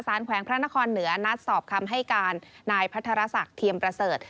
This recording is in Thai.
แขวงพระนครเหนือนัดสอบคำให้การนายพัทรศักดิ์เทียมประเสริฐ